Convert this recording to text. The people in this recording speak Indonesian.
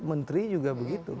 menteri juga begitu